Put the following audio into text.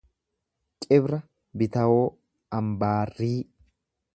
Cibra bitawoo, ambaarrii.